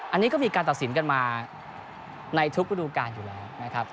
อันนี้ก็มีการตัดสินกันมาในทุกฤดูการอยู่แล้วนะครับ